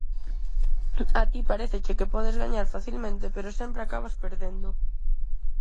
A ti paréceche que podes gañar facilmente pero sempre acabas perdendo.